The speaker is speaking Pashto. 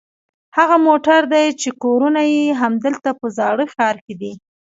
هغه موټر دي چې کورونه یې همدلته په زاړه ښار کې دي.